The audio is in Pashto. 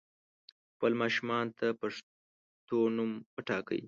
خپل ماشومانو ته پښتو نوم وټاکئ